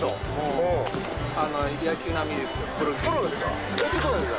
野球並みですよ。